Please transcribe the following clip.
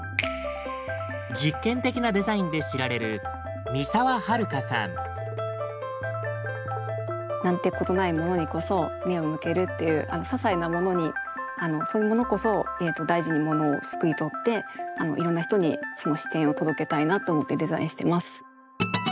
実験的なデザインで知られるなんてことないものにこそ目を向けるっていう些細なものにそういうものこそ大事にものをすくい取っていろんな人にその視点を届けたいなと思ってデザインしてます。